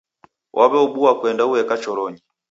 Waw'eobua kuenda ueka choronyi.